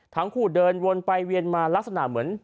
เดินวนไปเวียนมาลักษณะเหมือน